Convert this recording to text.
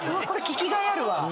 これ聞きがいあるわ。